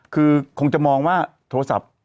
คือคงจะมองว่าโทรศัพท์